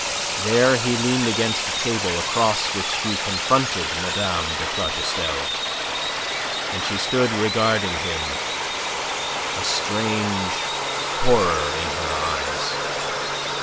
There he leaned against a table, across which he confronted Mme. de Plougastel. And she stood regarding him, a strange horror in her eyes.